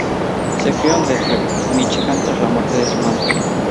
Se crio en Detroit, Míchigan tras la muerte de su madre.